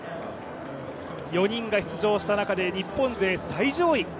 ４人が出場した中で、日本勢最上位。